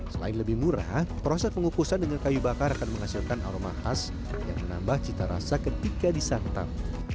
selain lebih murah proses pengukusan dengan kayu bakar akan menghasilkan aroma khas yang menambah cita rasa ketika disantap